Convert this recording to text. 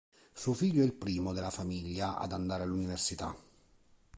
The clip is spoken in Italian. Suo figlio è il primo della famiglia ad andare all'università.